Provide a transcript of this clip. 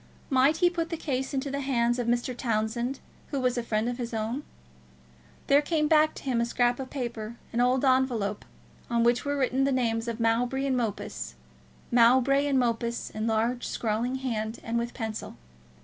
Might he put the case into the hands of Mr. Townsend, who was a friend of his own? There came back to him a scrap of paper, an old envelope, on which were written the names of Mowbray and Mopus; Mowbray and Mopus in a large scrawling hand, and with pencil.